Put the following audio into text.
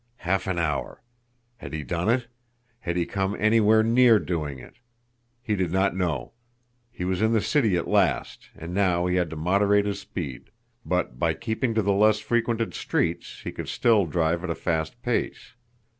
Half an hour! Had he done it? Had he come anywhere near doing it? He did not know. He was in the city at last and now he had to moderate his speed; but, by keeping to the less frequented streets, he could still drive at a fast pace.